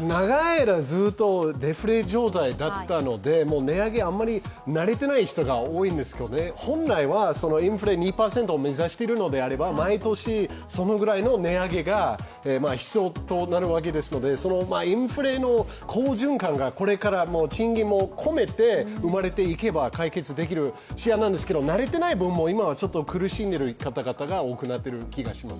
長い間、ずっとデフレ状態だったので値上げ、あんまり慣れていない人が多いんですが、本来はインフレ２％を目指してるのであれば毎年、そのくらいの値上げが必要となるわけですのでインフレの好循環が、賃金も含めてこれから生まれていけば解決できる事案なんですけど慣れてない分も今、苦しんでる方がいる気がします。